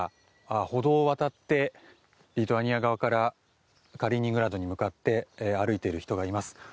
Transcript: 歩道を渡ってリトアニア側からカリーニングラードに向かって歩いている人がいます。